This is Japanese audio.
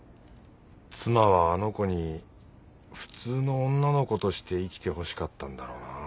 妻はあの子に普通の女の子として生きてほしかったんだろうなあ。